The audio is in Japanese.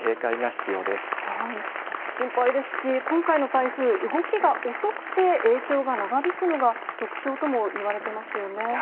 心配ですし、今回の台風、動きが遅くて影響が長引くのが特徴ともいわれてますよね。